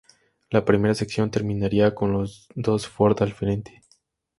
La primera sección terminaría con los dos Ford al frente.